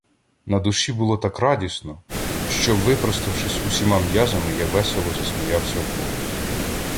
На душі було так радісно, що, випроставшись усіма м'язами, я весело засміявся вголос.